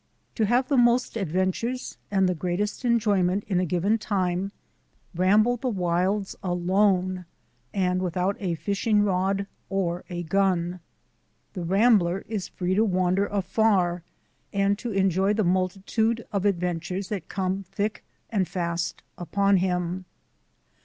To have the most adventures and the greatest enjoyment in a given time, ramble the wilds alone and without a fishing rod or a gun. The rambler is free to wander afar and to enjoy the multitude of adventures that come thick and fast upon him.